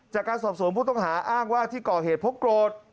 จากการสอบสวนผู้ต้องหาอ้างว่าที่ก่อเหตุเพราะโกรธ